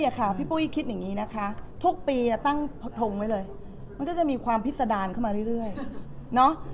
ค่ะพี่ปุ้ยคิดอย่างนี้นะคะทุกปีตั้งทงไว้เลยมันก็จะมีความพิษดารเข้ามาเรื่อยเนาะ